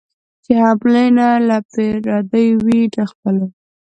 چي حملې نه له پردیو وي نه خپلو